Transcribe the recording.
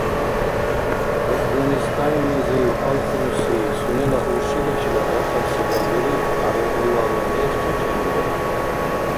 Афганистаннизив алхунси сунела уршиличила дахъал секӏал дуриб Хӏябибуллагьла неш Чачанира.